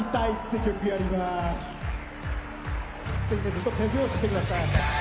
ずっと手拍子してください。